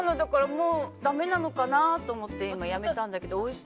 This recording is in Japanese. もうだめなのかなと思ってやめたんだけど。